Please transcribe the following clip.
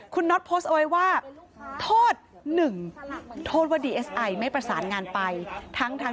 คุณนอทโพสต์เอาไว้ว่า